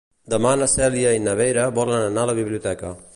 Demà na Cèlia i na Vera volen anar a la biblioteca.